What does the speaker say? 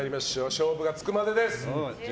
勝負がつくまでです。